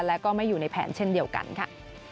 และก็ไม่อยู่ในแผนเช่นเดียวกันค่ะ